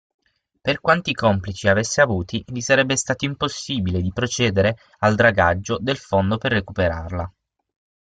Per quanti complici avesse avuti, gli sarebbe stato impossibile di procedere al dragaggio del fondo per recuperarla.